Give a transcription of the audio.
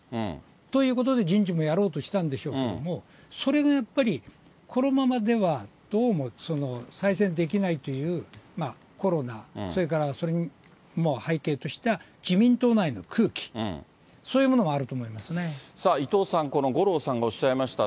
ということで人事もやろうとしたんでしょうけども、それがやっぱり、このままでは、どうも再選できないという、コロナ、それからそれを背景とした自民党内の空気、伊藤さん、この五郎さんがおっしゃいました。